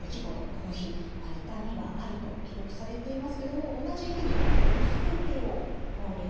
この日「痛みはある」と記録されていますけども同じ日に歩数計を購入しています。